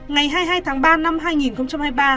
ngày hai mươi hai tháng ba năm hai nghìn hai mươi ba